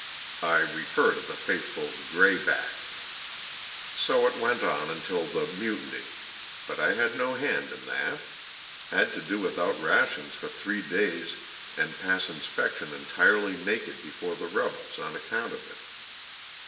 I refer to the faithful *'gray back." So it went on until the " mutiny," but I had no hand in that. Had to do without rations for three days and pass inspection entirely naked before the rebels, on account of it.